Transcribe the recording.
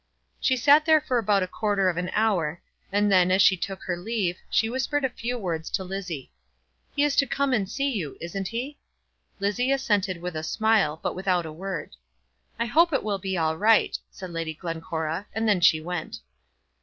She sat there for about a quarter of an hour, and then, as she took her leave, she whispered a few words to Lizzie. "He is to come and see you; isn't he?" Lizzie assented with a smile, but without a word. "I hope it will be all right," said Lady Glencora, and then she went.